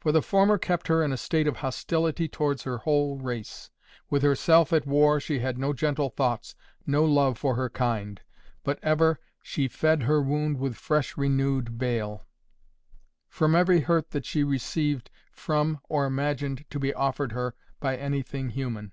For the former kept her in a state of hostility towards her whole race: with herself at war she had no gentle thoughts, no love for her kind; but ever "She fed her wound with fresh renewed bale" from every hurt that she received from or imagined to be offered her by anything human.